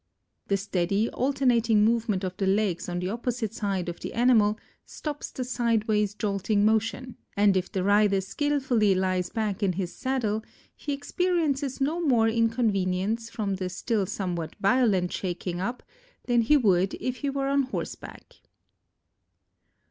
"The steady, alternating movement of the legs on the opposite side of the animal stops the sideways jolting motion, and if the rider skillfully lies back in his saddle, he experiences no more inconvenience from the still somewhat violent shaking up than he would if he were on horseback."